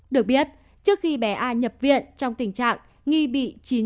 được biết trước khi bé a nhập viện trong tình trạng nghi bị chín